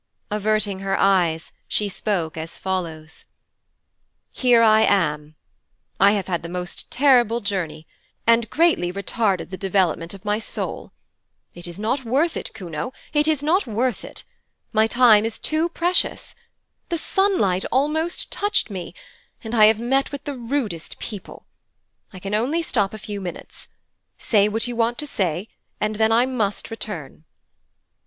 Averting her eyes, she spoke as follows: 'Here I am. I have had the most terrible journey and greatly retarded the development of my soul. It is not worth it, Kuno, it is not worth it. My time is too precious. The sunlight almost touched me, and I have met with the rudest people. I can only stop a few minutes. Say what you want to say, and then I must return.'